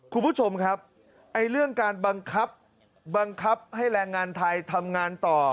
คุณผู้ชมครับไอ้เรื่องการบังคับบังคับให้แรงงานไทยทำงานต่อ